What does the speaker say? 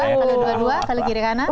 kalau dua dua kalau kiri kanan